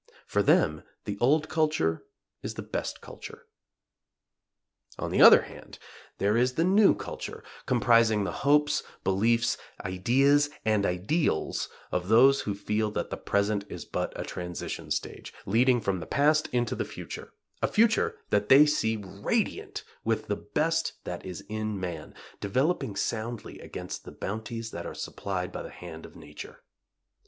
For them the old culture is the best culture. On the other hand there is the new culture, comprising the hopes, beliefs, ideas and ideals of those who feel that the present is but a transition stage, leading from the past into the future a future that they see radiant with the best that is in man, developing soundly against the bounties that are supplied by the hand of nature.